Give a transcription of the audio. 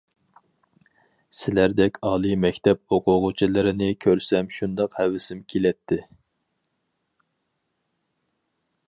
سىلەردەك ئالىي مەكتەپ ئوقۇغۇچىلىرىنى كۆرسەم شۇنداق ھەۋىسىم كېلەتتى.